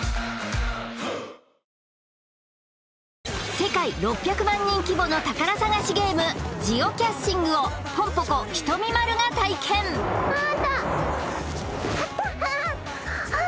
世界６００万人規模の宝探しゲームジオキャッシングをぽんぽこ・ひとみ○が体験ああった！